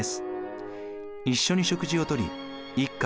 一緒に食事をとり一家